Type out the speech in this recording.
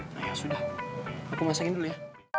nah ya sudah aku masakin dulu ya